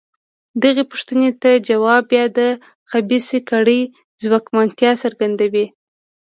دغې پوښتنې ته ځواب بیا د خبیثه کړۍ ځواکمنتیا څرګندوي.